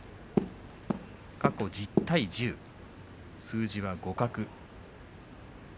過去１０対１０数字は互角。